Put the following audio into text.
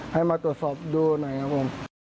ให้มาตรวจสอบดูหน่อยครับผม